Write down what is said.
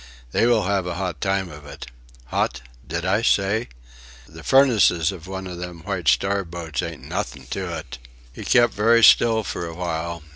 They will have a hot time of it. Hot! Did I say? The furnaces of one of them White Star boats ain't nothing to it." He kept very quiet for a while.